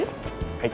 はい。